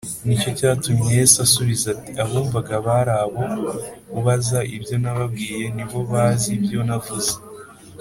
ni cyo cyatumye yesu asubiza ati, “abumvaga ba ari bo ubaza ibyo nababwiye, nibo bazi ibyo navuze”